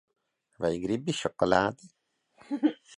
Vai gribi šokolādi?